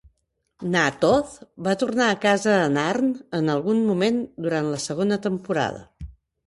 Na'Toth va tornar a casa a Narn en algun moment durant la segona temporada.